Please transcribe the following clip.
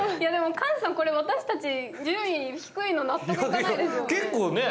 菅さん、私たち順位低いの納得いかないですよね。